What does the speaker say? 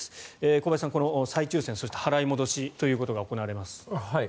小林さん、この再抽選そして払い戻しということが行われます。